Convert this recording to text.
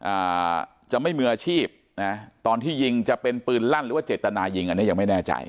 อ่าจะไม่มีอาชีพนะตอนที่ยิงจะเป็นปืนลั่นหรือว่าเจตนายิงอันนี้ยังไม่แน่ใจ